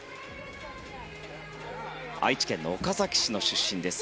愛知県の岡崎市の出身です。